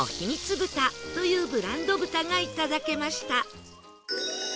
豚というブランド豚がいただけました